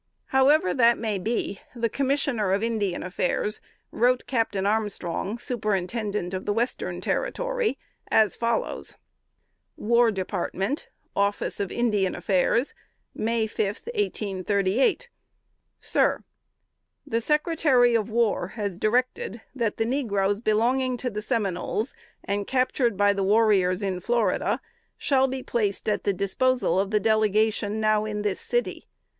However that may be, the Commissioner of Indian Affairs wrote Captain Armstrong, Superintendent of the Western Territory, as follows: "WAR DEPARTMENT, "Office of Indian Affairs, May 5, 1838. "SIR: The Secretary of War has directed that the negroes belonging to the Seminoles, and captured by the warriors in Florida, shall be placed at the disposal of the Delegation now in this city.